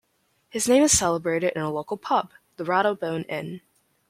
His name is celebrated in a local pub, the Rattlebone Inn.